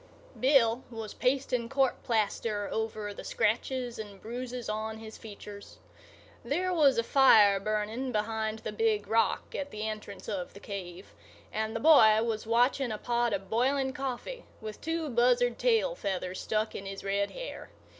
Bill was pasting court plaster over the scratches and bruises on his features. There was a fire burning behind the big rock at the entrance of the cave, and the boy was watching a pot of boiling coffee, with two buzzard tail feathers stuck in his red hair.